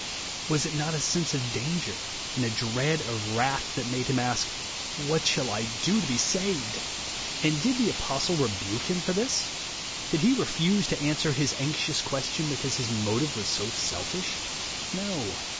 "Was it not a sense of danger and a dread of wrath that made him a^k, " What shall I do to be saved ?" And did the apostle rebuke him for this ? Did he refuse to answer his anxious question, because his motive was so selfish ? No.